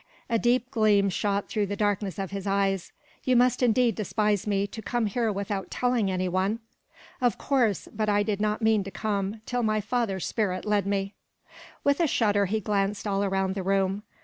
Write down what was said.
A deep gleam shot through the darkness of his eyes. "You must indeed despise me, to come here without telling any one!" "Of course. But I did not mean to come, till my father's spirit led me." With a shudder he glanced all round the room.